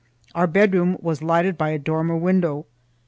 Our bedroom was lighted by a dormer window.